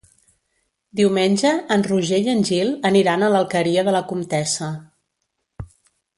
Diumenge en Roger i en Gil aniran a l'Alqueria de la Comtessa.